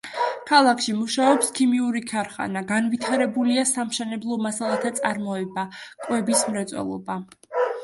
ქალაქში მუშაობს ქიმიური ქარხანა, განვითარებულია სამშენებლო მასალათა წარმოება, კვების მრეწველობა.